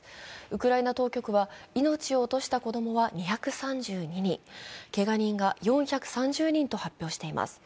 ウクライナ当局は命を落とした子供は２３２人、けが人が４３０人と発表しています。